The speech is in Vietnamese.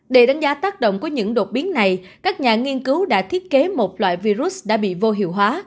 để đánh giá tác động của những đột biến này các nhà nghiên cứu đã thiết kế một loại virus đã bị vô hiệu hóa